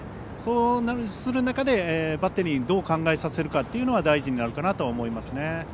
そうする中でバッテリーにどう考えさせるかが大事になるかなと思います。